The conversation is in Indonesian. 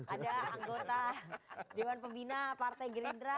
ada anggota dewan pembina partai gerindra